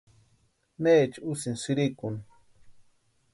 ¿Necha úsïni sïrikuni?